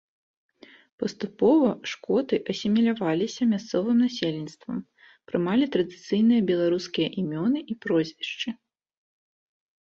Паступова шкоты асіміляваліся мясцовым насельніцтвам, прымалі традыцыйныя беларускія імёны і прозвішчы.